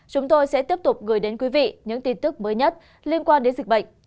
chúng tôi sẽ tiếp tục gửi đến quý vị những tin tức mới nhất liên quan đến dịch bệnh